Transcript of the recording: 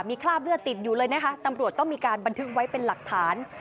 มีคราบเลือดติดอยู่เลยนะคะตำรวจต้องมีการบันทึกไว้เป็นหลักฐาน